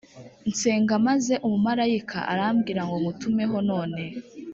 nsenga maze umumarayika arambwira ngo ngutumeho None